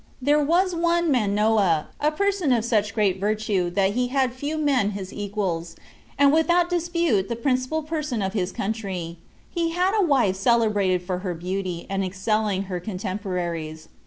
There was one Manoah, a person of such great virtue, that he had few men his equals, and without dispute the principal person of his country. He had a wife celebrated for her beauty, and excelling her contemporaries.